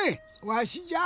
わしじゃ。